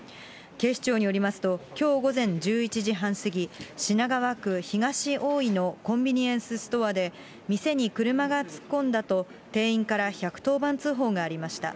警視庁によりますと、きょう午前１１時半過ぎ、品川区東大井のコンビニエンスストアで、店に車が突っ込んだと、店員から１１０番通報がありました。